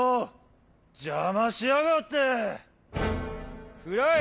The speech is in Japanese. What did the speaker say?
じゃましやがって！くらえ！